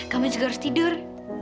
kamu juga harus tidur